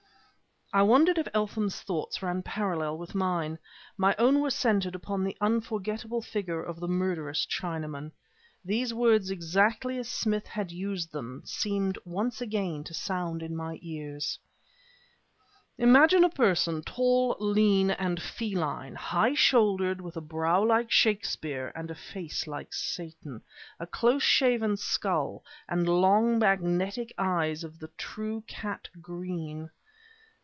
I wondered if Eltham's thoughts ran parallel with mine. My own were centered upon the unforgettable figure of the murderous Chinaman. These words, exactly as Smith had used them, seemed once again to sound in my ears: "Imagine a person tall, lean, and feline, high shouldered, with a brow like Shakespeare and a face like Satan, a close shaven skull, and long magnetic eyes of the true cat green.